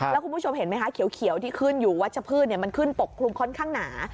แล้วคุณผู้ชมเห็นไหมคะเขียวที่ขึ้นอยู่วัชพืชมันขึ้นปกคลุมค่อนข้างหนา